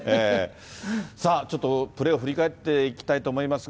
さあ、ちょっとプレーを振り返っていきたいと思いますが。